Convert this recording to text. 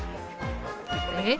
えっ？